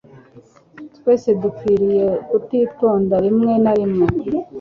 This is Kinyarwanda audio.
Twese dukwiriye kutitonda rimwe na rimwe.